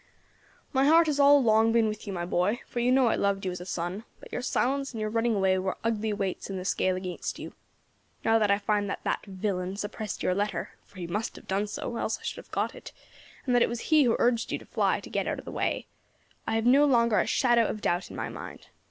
"My heart has all along been with you, my boy, for you know I loved you as a son; but your silence and your running away were ugly weights in the scale against you. Now that I find that that villain suppressed your letter for he must have done so, else I should have got it and that it was he who urged you to fly to get you out of the way, I have no longer a shadow of doubt in my mind.